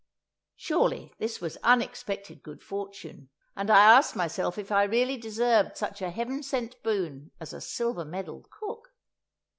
Surely this was unexpected good fortune, and I asked myself if I really deserved such a heaven sent boon as a silver medalled cook!